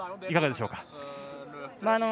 いかがでしょうか。